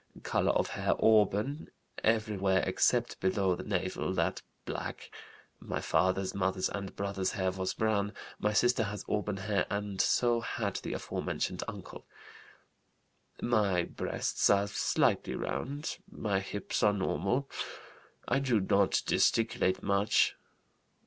Color of hair auburn everywhere except below navel, that black. (My father's, mother's, and brother's hair was brown. My sister has auburn hair, and so had the aforementioned uncle.) My breasts are slightly round; my hips are normal. I do not gesticulate much.